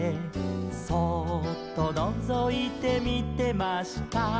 「そうっとのぞいてみてました」